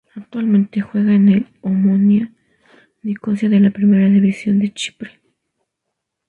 Actualmente juega en el Omonia Nicosia de la Primera División de Chipre.